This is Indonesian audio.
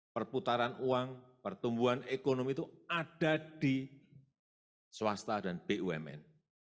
perputaran uang pertumbuhan ekonomi itu ada di swasta dan bumn